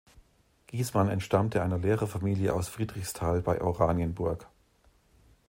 Gießmann entstammte einer Lehrerfamilie aus Friedrichsthal bei Oranienburg.